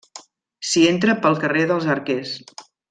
S'hi entra pel carrer dels Arquers.